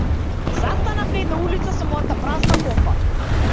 Застанав на една улица со мојата празна кофа.